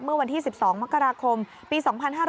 เมื่อวันที่๑๒มกราคมปี๒๕๕๙